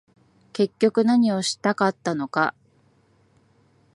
結局何をしたかったのか